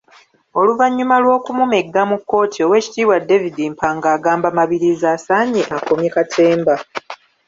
Oluvannyuma lw’okumumegga mu kkooti, Oweekitiibwa David Mpanga agamba Mabirizi asaanye akomye katemba.